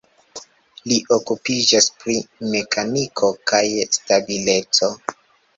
Li okupiĝas pri mekaniko kaj stabileco.